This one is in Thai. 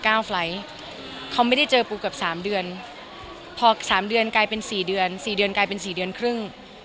อย่างนั้นค่อยไม่ได้เจอกับปูก็สามเดือน